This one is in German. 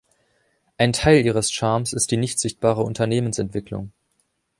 Ein Teil ihres Charmes ist die nicht sichtbare Unternehmensentwicklung.